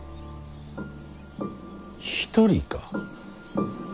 一人か？